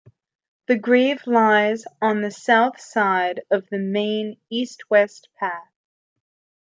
The grave lies on the south side of the main east-west path.